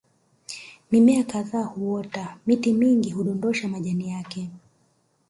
Mimea kadhaa huota miti mingi hudondosha majani yake